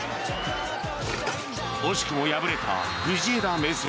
惜しくも敗れた藤枝明誠。